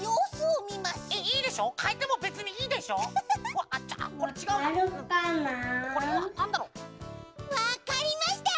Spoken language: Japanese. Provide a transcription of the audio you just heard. わかりました！